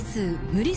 無理